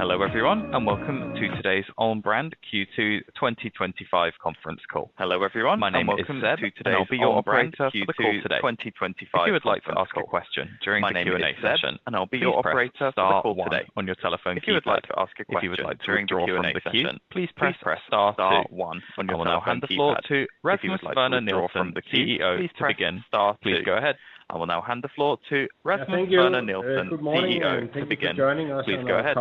Hello, everyone, and welcome to today's Own Brand Q2 twenty twenty five Conference Call. Hello, everyone. My name is Seth. Today, I'll be your Brand Q2 twenty twenty five. If you would like to ask a question I hand the floor begin. Go ahead. Will will now hand the floor to to Rasmus Resmiss Sperner Berna Nielsen, Nielsen, CEO, CEO. Go ahead.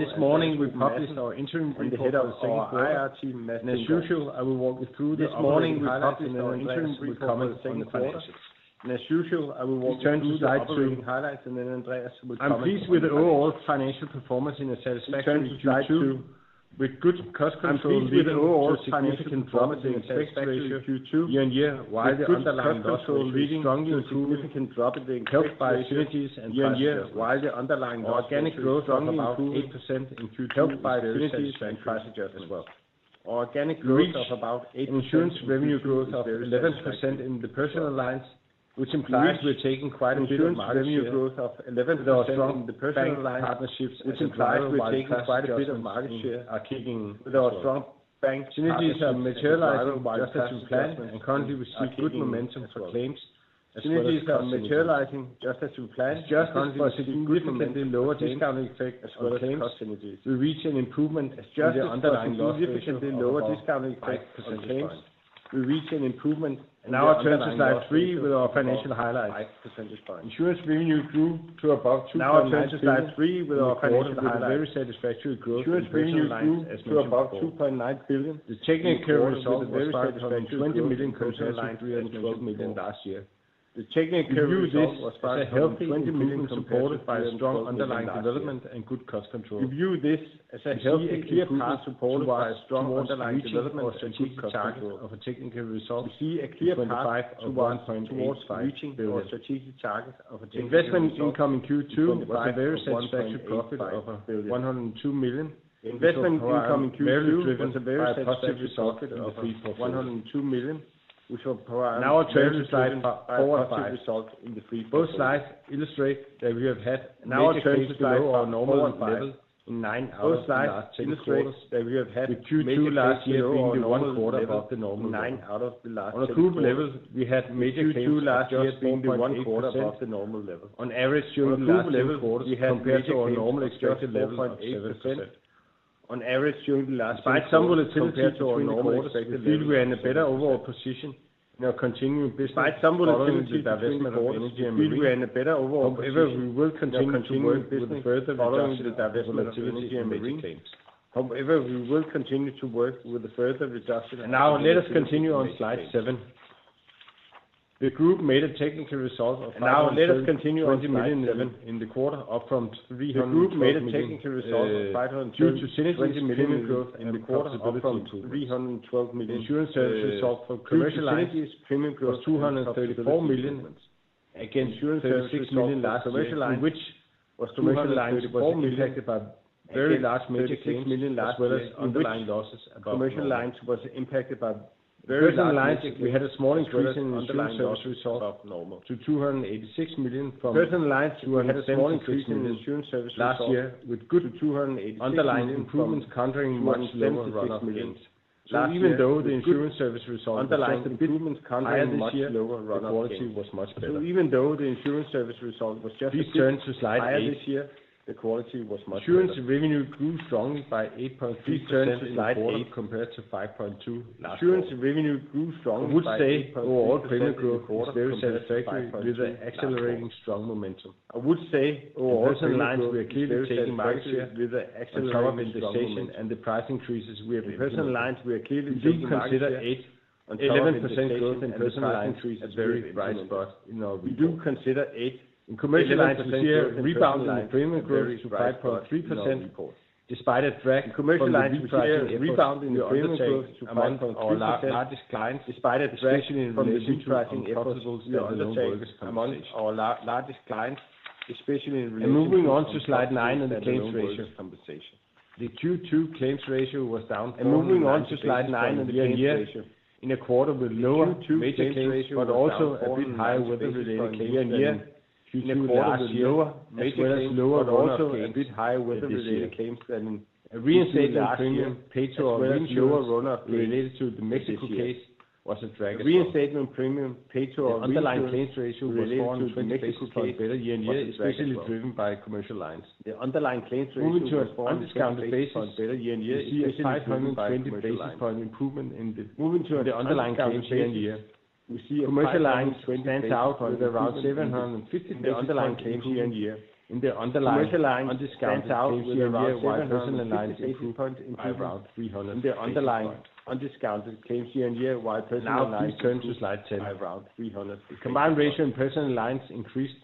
This morning, we published our interim and the Head of the Second Quarter IR team, Matt Dene. As usual, I will walk you through this morning's highlights and then Andreas will the second quarter. As usual, I will walk you through slide three. Will comment I'm I'm pleased with the overall financial performance in the sales spectrum in Q2, drop in the increased by synergies and past year, while the underlying organic growth was down about 8% in Q2 Organic by the synergies and price adjustment as growth of about 8%. Insurance revenue growth of 11% in the Personal Lines, which implies we're taking quite a Insurance revenue growth of 11% in the Personal Lines partnerships, which implies we're taking quite a bit of market share are kicking in. Our strong bank synergies are materializing just as we planned, currently we're seeking good momentum for claims. Synergies are materializing just as we planned, adjusted EBITDA margin improvement in lower discount effect well as claims. Slightly adjusted Adjusted EBITDA EBITDA was billion. The The technical result was very strong €20,000,000 versus 312 million last year. The technical result was a healthy 20 million supported by a strong underlying development and good cost control. We view this as a clear path supported by a strong underlying development of our target of our technical results. We see a clear path towards reaching the strategic target of our technical results. Investment income in Q2 was a very sensitive profit of 102,000,000. Investment income in Q2 was a very sensitive profit of 102 million, which will provide our adjusted for the full Both slides illustrate that we have had On average during the last quarter, we had a better overall position in our continuing business. However, we will continue to work with the further reduction of IFRS Now let us continue on Slide seven. Group made a technical result of 100,000,000 was commercial lines was impacted by very large major €6,000,000 as as well as underlying underlying losses. Commercial lines was impacted by very very large Personal lines, we had a small increase in insurance services last year with good $2.86 underlying improvement, countering much lower than last year. So even though the Insurance Services result was just slightly higher this year, the quality was much higher. Revenue grew strong by 8.3% the quarter compared to 5.2% last year. Insurance revenue grew strong by would five say credit growth quarter was very satisfactory with an accelerating strong momentum. I would say our Personal Lines growth very stable. Do consider eight commercial lines share rebounding in premium growth despite a drag on the premium growth to come from our largest clients, especially in relation the And moving on to Slide nine on the claims ratio. Q2 claims ratio was down paid to our underlying claims ratio was based on a better year on year especially driven by Commercial Lines. Moving to a foreign discount basis on a better year on year, see a five twenty basis point improvement in the Moving to the underlying claims ratio. 300 basis The combined ratio in present lines increased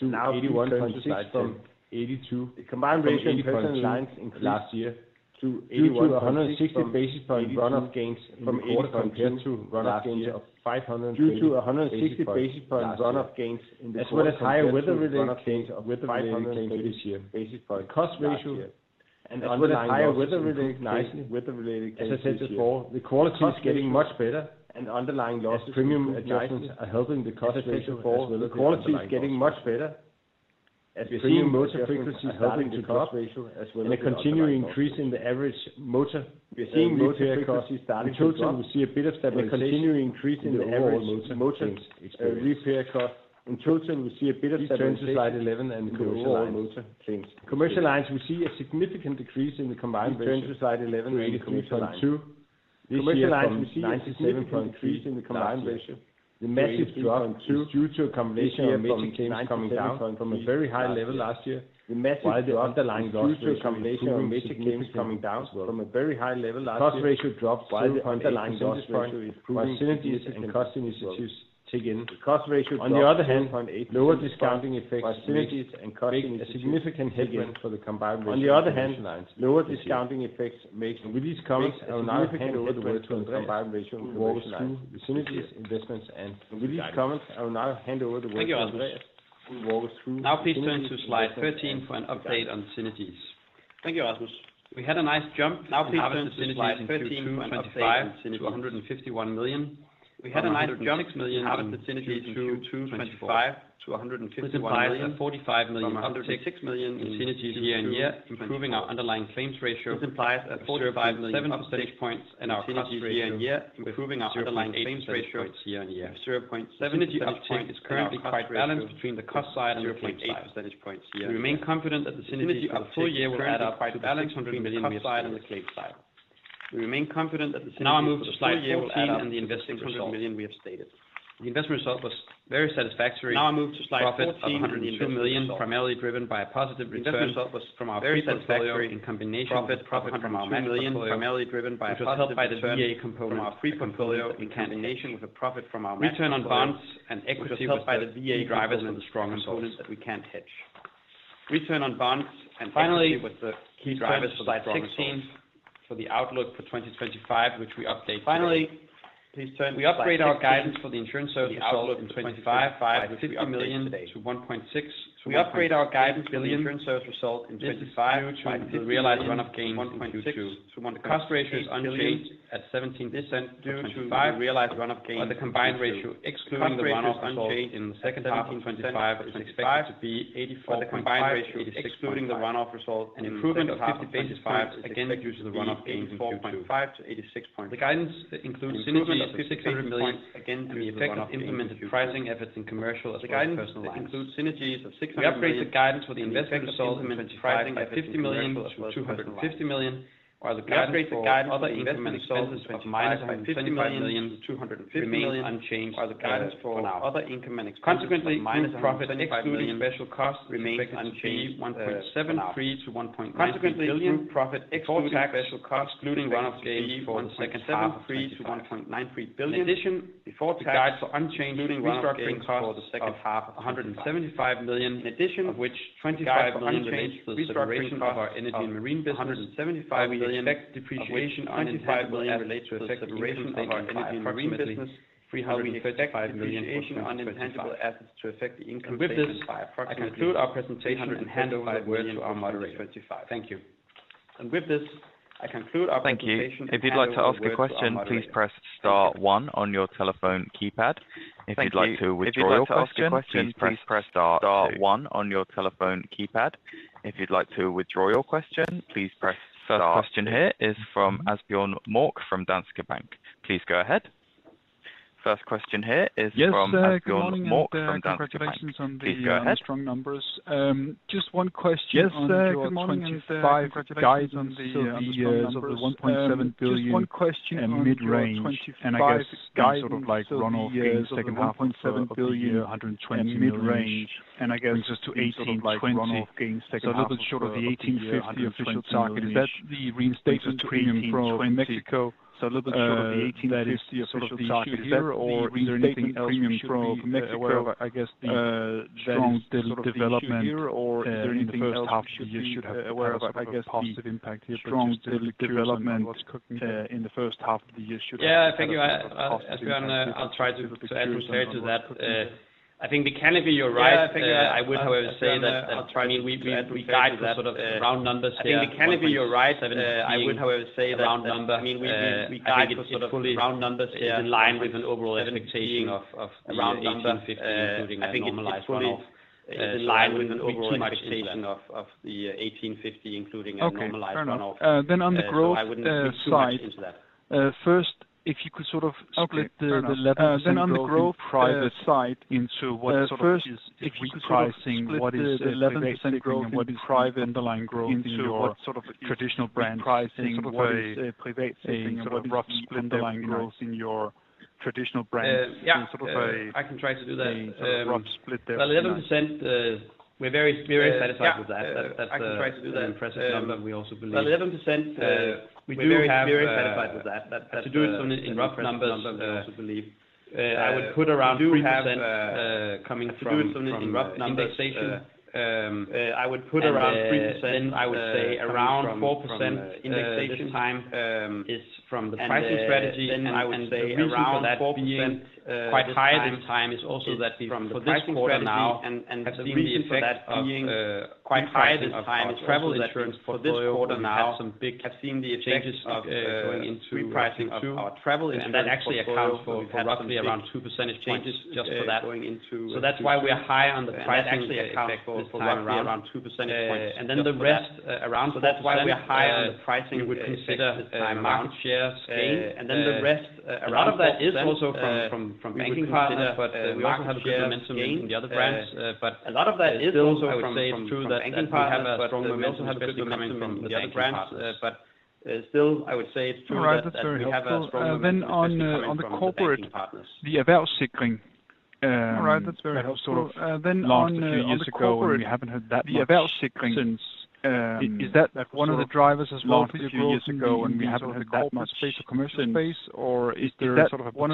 now 81.6%. 82%. The combined ratio in present lines increased last year 80 due one to 160 basis point run off gains from April compared to run off gains of 500 basis due to 160 basis points run off gains in the quarter. Better and the underlying loss premium adjustments are helping the cost ratio fall. Quality is getting much better premium motor frequency is helping the cost ratio as well as And the continuing increase in the average motor seeing motor increases starting in We see a bit of that. See continuing increase in the average motor change. To Slide 11 and Commercial Commercial Lines, we see a significant decrease in combined ratio. Turning to Slide 11, see Lines, we see a 97 increase in the combined ratio. The metric is down due to a combination of major claims coming down from a very high level last year. The metric while the underlying loss due to a combination of major claims coming down from a very high level last year. Cost ratio dropped while the underlying loss ratio improved by synergies and cost synergies. On the other hand, lower discounting effects costs making a significant headwind for the combined ratio. With these comments, now I hand over to Andreas who will walk us through the financials. Now please turn to Slide 13 for an update on synergies. Thank you, Anders. We had a nice jump now from the synergies 2025 to €151,000,000 had a nice €6,000,000 out of the synergies in Q2 twenty twenty five to CHF 155,000,000 from CHF 166,000,000 in synergies year on year, improving our underlying claims ratio, which implies a 45,000,007 percentage points in our cost ratio year on year, improving our underlying claims ratio year on year. 0.7 is currently quite reasonable. Zero remain confident that the synergies of the full year will add up by the balance of €100,000,000 we have stated. Move to Slide €14,000,000 primarily driven by a positive from our return on bonds and equity held by the VA drivers and the strong components that we can't hedge. Return on bonds and finally, with the key drivers for Slide 16, for the outlook for 2025, which we update finally, we upgrade our guidance for the insurance service outlook in 2025, euros $550,000,000 to 1,600,000.0 So we upgrade our guidance for the insurance service result in 2020 the realized run off gain is 1.22%. The cost ratio is unchanged at 17% due to 5% realized run off gains, but the combined ratio excluding the run off expected to be 84%. Results point five The guidance includes synergies of €56,000,000 again and the effect of implemented pricing efforts in commercial as a guidance guidance of personal includes synergies of 600,000,000 We upgraded the guidance for the investment results of €50,000,000 to €250,000,000 while the guidance for other income were minus €150,000,000 €250,000,000 the guidance for other income and expenses were Consequently, profit one excluding million special costs excluding one offs 100 gained for the second half 7,300,000,000.0 to €1,930,000,000 In addition, we forecast the unchanged restructuring costs for the second half of €175,000,000 in addition of which 25,000,000 unchanged from the restructuring costs of our Energy and Marine business. 175,000,000 And with this, I conclude our presentation. Thank you. Question here is from Asbjorn Mork from Danske Bank. Please go ahead. First question here is from Asbjorn Mork from Danske Just one question of the 1,700,000,000.0, and I guess guidance sort of like run off in the second half. 120,000,000,000, midrange I guess just to EUR 18,200,000,000.0, strong development in the first half of the year should be Yes. Think I'll try to add to that. I think mechanically, you're right. I would, however, say that I'll try to We guide to that sort of round numbers. I think mechanically, you're right. I would, however, say the round number. I mean, we guide to sort of round numbers is in line with an overall expectation around 18 including a 50 normalized Then on the growth side, first, if you could sort of split the 11% growth private side into what sort of weaker pricing, what is the 11% growth in what is the private underlying growth in your 11% we're very satisfied with that. Tried to do that impressive number, we also believe. 11%, we do do have I also believe. I would put around 3% We from do have the rough rough numbers, Jason. I would put around 3%, I would say, around 4% indexation time is from the pricing And I would say around 4%, quite high in time is also that from the pricing strategy and the reason for that being quite high in time travel insurance for this quarter now have some big changes into repricing of travel insurance. That actually accounts for roughly around two percentage changes just for that going into So that's why we are high on the pricing. That actually accounts for roughly around two percentage And then the rest around So that's why we are higher on the pricing. We would consider market share gain. Then the rest a lot of that is also from banking partners, we also have momentum in the other brands. Still, a I would say, it's true that's true. On the corporate, the Avelsikring, very helpful. On two years ago, we haven't had that much Is that one of the drivers as well as few years ago and we haven't had that much space space for for commercial space? Or is there sort of a deal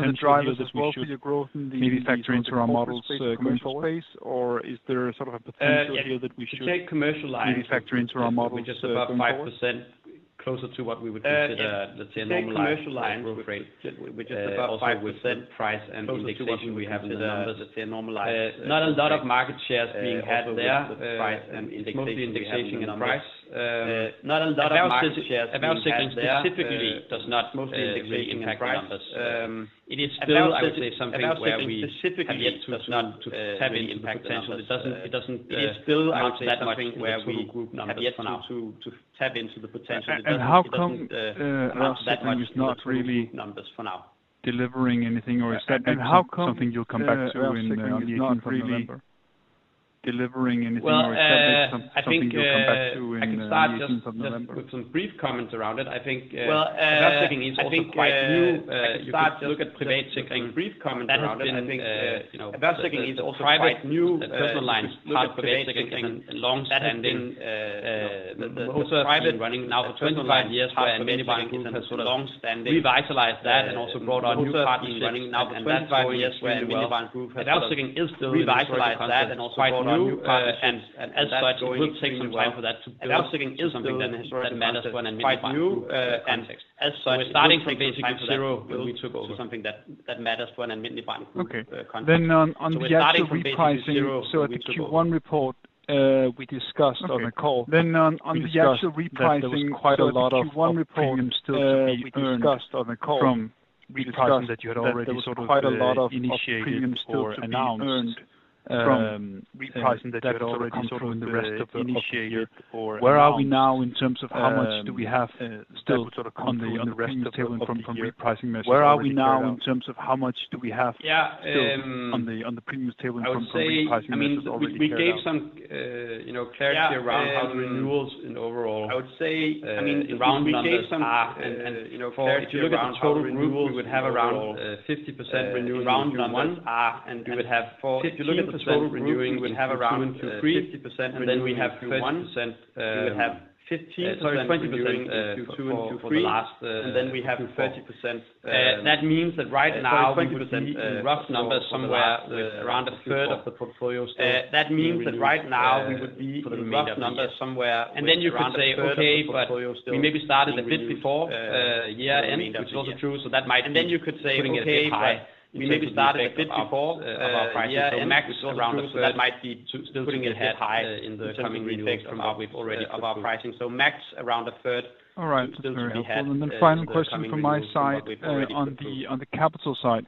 that we should take commercial lines, which is about 5% closer to what we would say, let's say, We're just above 5% price and utilization Not we have in the numbers, let's say, a lot of market shares being had there. Not a Not a lot lot of of market market shares shares have have been been changed Impacted. It is still I say something where we have yet to tap into the potential. And how come Last time, it's not really numbers for now. Delivering anything or is that something you'll come back to in the end of anything or is that something you'll come back to in think end of to think Well, I it's quite new. Think can to look at the basic and a brief comment around it. I think Investigating is also private. Personal lines, hard for basic and long standing to to something that matters to an IndiFine. Okay. Then on the actual repricing, so the Q1 report we discussed on the call. On the structural repricing, was quite a lot of from repricing that you had already sort of in the rest of the year or Where are we now in terms of how much do we have still sort of on the revenue table from repricing measures? Where are we now in terms of how much do we have still on the premiums table in terms of the pricing? Mean, we gave some clarity around renewals in overall. I would say, around If numbers are you look at total renewals, we would have around 50% renewals in months are, and we would have 50% renewing, we would have around Q3. 50%, and then we have 50%. Would have 5070%, and would 50%. Means that right now, be rough numbers somewhere around onethree of the portfolio still. Means that right now, we would be roughly somewhere around And then you can say, okay, we maybe started a bit before. Yes, and also true. So that might and then you could say, okay, but we may be starting at 54 of our pricing. So max around our max around one third All right. Our And then final question from my side, on the capital side.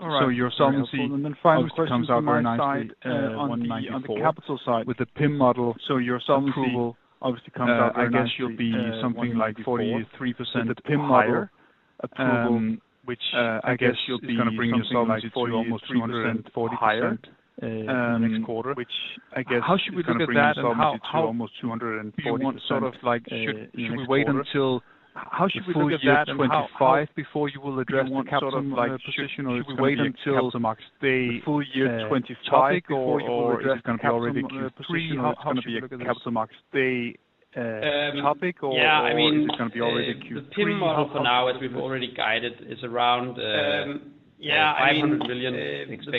So your solvency comes out on capital side with the PIM model. So your solvency approval obviously comes out, I guess, you'll be something like 43% at PIM higher approval, which I guess you'll be almost 300% higher in the next quarter, which I guess How should we look at that almost two forty Should we wait until how should we fully get that 25% before you will address the capital position? Or is it going to topic? Or is this going be already Q3? The TIM model for now, as we've already guided, is around I mean million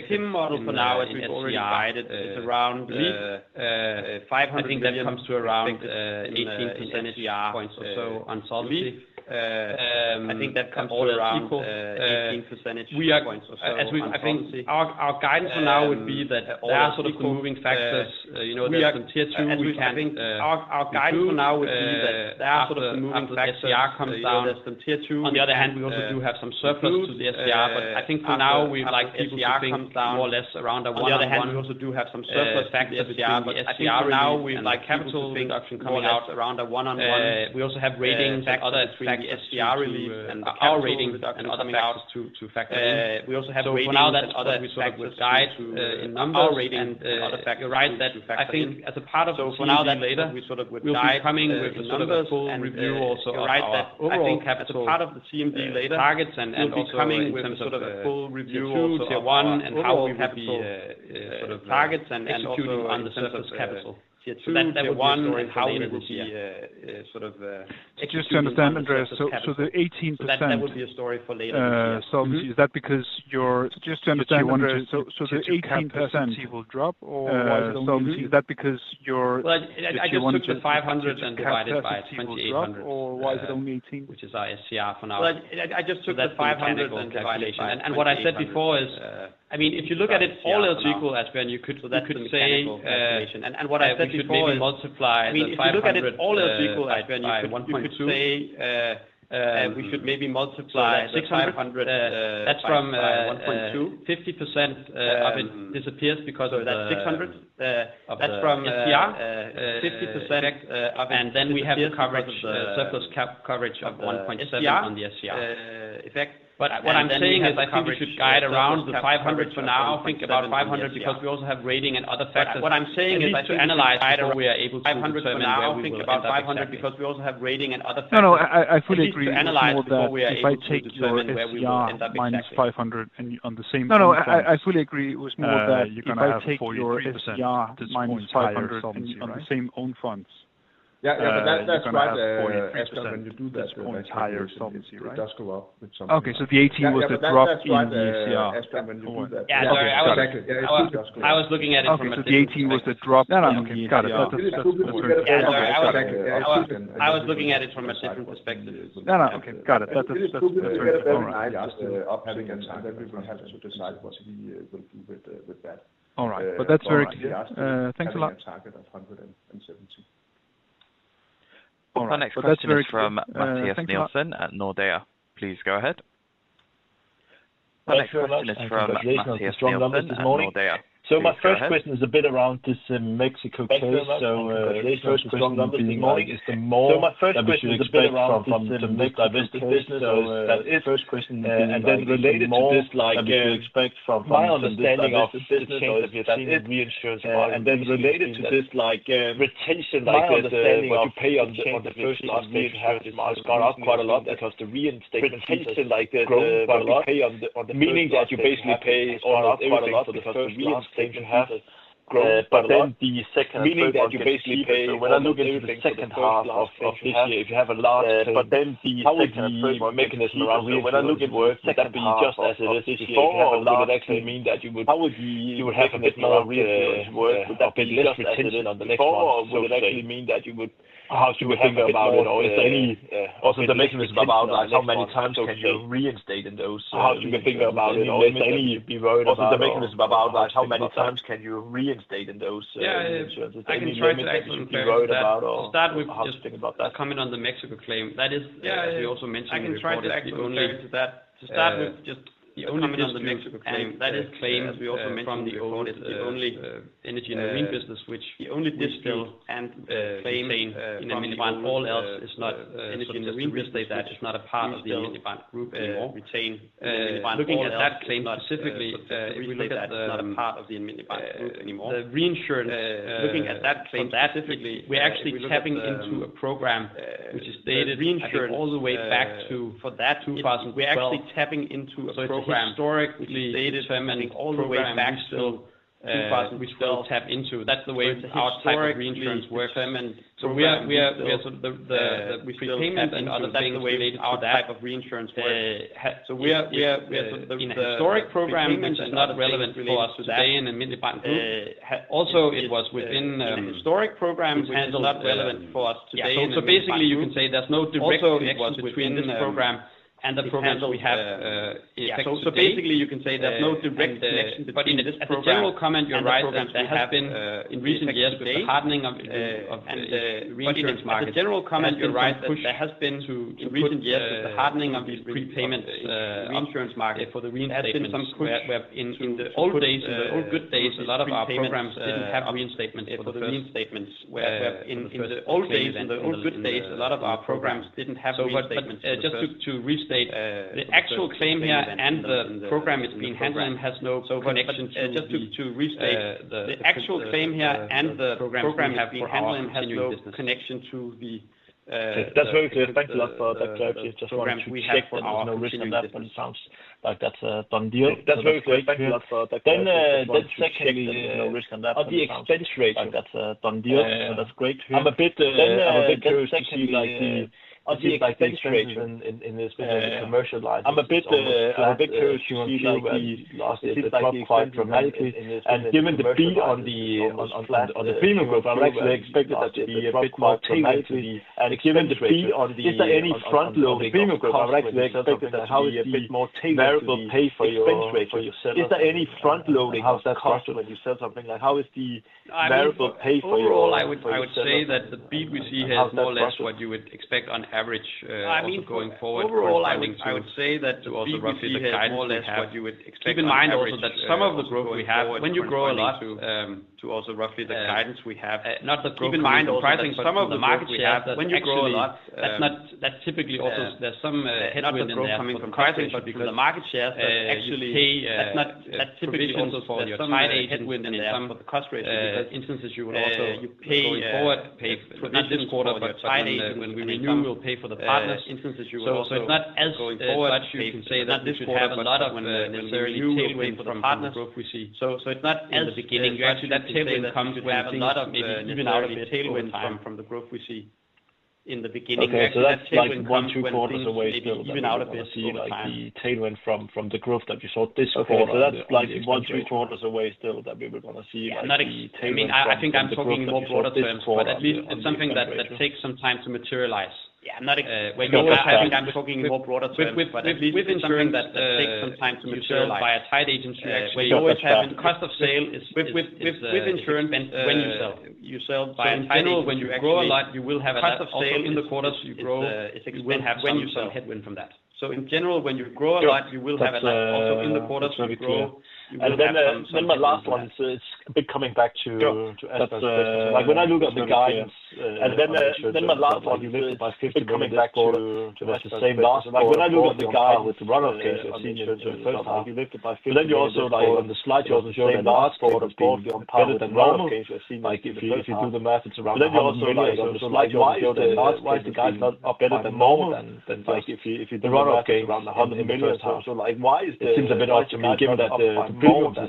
TIM model for now, as we've already guided, is around 500 I think that comes to around 18 percentage points or so on solvency. I think that comes all around 18 percentage points As or we I think our guidance for now would be that all sort of moving factors, we have some Tier two. On the other hand, we also do have some surplus think for now, we have surplus factors. Factors. Factors. But But SGR now, we like capital reduction coming out around a one on one. We also have ratings factors like SGR relief and our ratings and other factors. We also have ratings factors we sort to in numbers and other factors. You're right. Of would So then number one is how we will see sort of Just to understand, Andreas, the 18% That would be a story for later So is that because you're just to understand, Andreas, so the 18% will drop or is that because you're Well, I just took the 500 and divided by minus 800. Why is it only 18%? Which is our SCR for now. I just took that 500 and violation. And what I said before is I mean, if you look at it all else equal, as Ben, you could do that same And what I said before, multiply if you look at it all else equal, Adven, you could we should maybe multiply 600. That's from 1.2. 50% of Adven disappears because of that 600. That's from SCR? 50% of it. Then we have coverage surplus cap coverage of 1.7 But on the SCR what I'm saying is I think we should guide around to 500 for now. Think about 500 because we also also have rating and other factors. What I'm saying is to analyze either we are able to 500 for now, we think about 500 because we also have rating and other factors. No, I fully agree. More that I take the burden where we are in the big No, no, I fully agree. I was looking at it from a segment perspective. No. Okay. Got it. That's very different. Just have decide what we will do with that. All right. But that's very clear. Thanks next question is from Matthias Nielsen at Nordea. Please go ahead. So my first question is a bit around this Mexico we've reinsurance part. And then related to this like retention, only worried about or how to think about that? Coming on the Mexico claim, that is as you also mentioned, we're just thing coming on the Mexico claim. That claims we also mentioned from the old is the only Energy and Marine business, which the only distill and claim in the minibund. All else is not in the industry. Is not a part we're actually tapping into a program, which is dated Reinsure all the way back to for that February. We're actually tapping into a Historically, they determine all the way back to in Basel, we still tap into. That's the way our tax reinsurance works. So we have prepayment and other things are type of reinsurance work. We have the historic program, which is not relevant for us to stay in the middle part. Also, it was within historic programs and not relevant for us today. So basically, you can say there's no direct connection between this program and the programs we have. So basically, you can say there's no direct connection But in this program, you're right, has been in recent years to date hardening of the reinsurance The general comment, you're right, there has been to in recent years, the hardening of the prepayment reinsurance market for the reinstatement. In the old days and the old good days, a lot of our programs didn't have reinstatement for the reinstatement. Whereas in the old days and the old good days, a lot of our programs didn't have reinstatement. So what statement? Just to restate, the actual claim here and the program is being handled and has no connection Just to to restate the actual Luv. Claim here and the program has have been handled and has no no That's very clear. Thank That clarity is just one question we have for our operation. No risk in that one. It sounds And given the rate on the Is there any front loading premium growth, correct, we expected that how you feel more favorable pay for your sales? Is there any front loading? How does that cost you when you said something like how is the variable pay for your Overall, I would say that the BPC has more or less what you would expect on average going forward. Overall, I would say that also roughly the guidance we keep in mind, that some of the growth we have when you grow a lot to also roughly the guidance we have, keep in mind, pricing some of the markets we have, you grow a lot, that's not that's typically also there's some headwind the program. But because the market share actually pay that's not that's typically also for the FID headwind in some of the cost raises, but instances you would also pay going forward. Also for the partners. So you it's not in the beginning. Actually, that table comes with a lot of tailwind from the growth we see in the beginning. Okay. That's like one, two quarters away still. You've been out of this year, like the tailwind from the growth that you saw this quarter. So that's like one, three quarters away still that we would want to see. Not exactly. I I think I'm talking more broader terms, but at least it's something that takes some time to materialize. With it's something insurance, takes some time to when you sell. Sell by in general when you actually grow a lot, you will have a cost of sales in the quarters you grow is when you saw a headwind from that. So in general, when you grow a light, you will have a type of sale in the quarter, so you grow And then my last one, so it's a bit coming back to Yes, that we be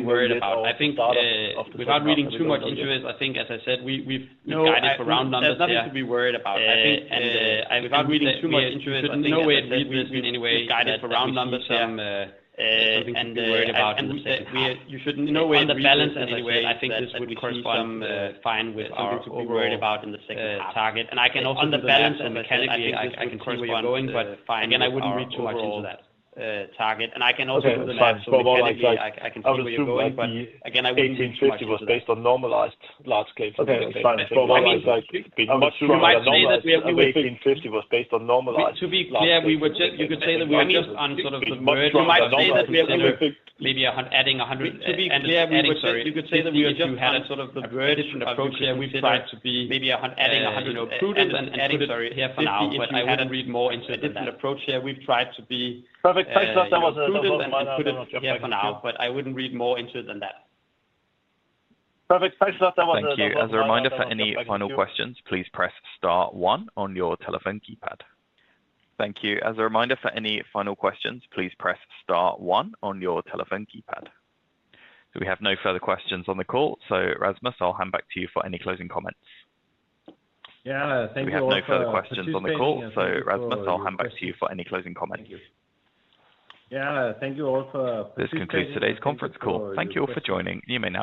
worried I think without reading too much into it, I think, as I said, we've guided for round numbers. There's nothing to be worried about. Think without reading too much into it, I think we should be in any way guidance around numbers. And we should be no way in the balance anyway. I think this would correspond fine with what we're worried about in the second target. And I can also understand and mechanically, can see where we are going, but fine. And I wouldn't read too much into that target. And I can also understand, so what I can tell you, but again, I would eighteen fifty was based on normalized large scale. So what was I see? How from the normalized to 1850 was based on normalized word different approach here. We've tried to be maybe adding 100 and And adding, sorry, here for now, if I hadn't read more into it than that. Perfect. Thanks, was a little bit Couldn't jump here for now, but I wouldn't read more into it than that. Perfect. Thanks, Lars. That was Thank a you. So we have no further questions on the call. So Rasmus, I'll hand back to you for any closing comments. Yes. Thank We have you no further questions on the call. So Rasmus, I'll hand back to you for any closing comments. You all for for participating. This concludes today's conference call. Thank you all for joining. You may now